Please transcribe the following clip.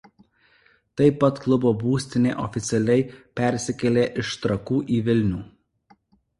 Taip pat klubo būstinė oficialiai persikėlė iš Trakų į Vilnių.